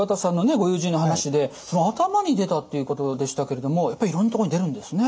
ご友人の話で頭に出たっていうことでしたけれどもやっぱりいろんなところに出るんですね。